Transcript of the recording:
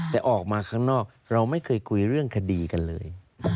แต่ออกมาข้างนอกเราไม่เคยคุยเรื่องคดีกันเลย